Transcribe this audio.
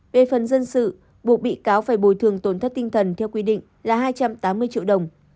về phần dân sự buộc bị cáo phải bồi thường tổn thất tinh thần theo quy định là hai trăm tám mươi triệu đồng